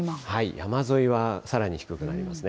山沿いはさらに低くなりますね。